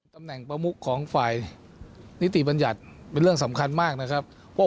ตำแหน่งประมุขของฝ่ายนิติบัญญัติเป็นเรื่องสำคัญมากนะครับพวก